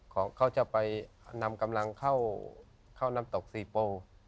ตรงนั้นนำกำลังเข้านำตก๔โป